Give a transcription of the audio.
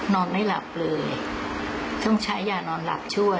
นอนไม่หลับเลยต้องใช้ยานอนหลับช่วย